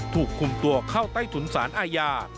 ถูกคุมตัวเข้าใต้ถุนสารอาญา